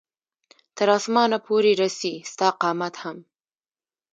تر اسمانه پورې رسي ستا قامت هم